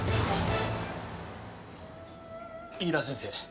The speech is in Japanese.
飯田先生